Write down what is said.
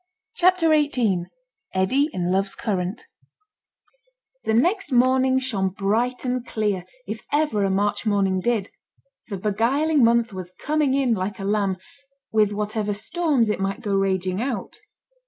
CHAPTER XVIII EDDY IN LOVE'S CURRENT The next morning shone bright and clear, if ever a March morning did. The beguiling month was coming in like a lamb, with whatever storms it might go raging out.